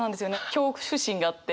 恐怖心があって。